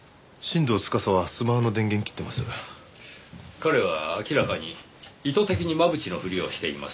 彼は明らかに意図的に真渕のふりをしています。